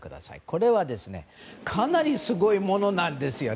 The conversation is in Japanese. これはかなりすごいものなんです。